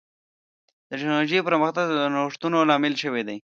د ټکنالوجۍ پرمختګ د نوښتونو لامل شوی دی.